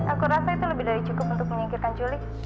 aku rasa itu lebih dari cukup untuk menyingkirkan culik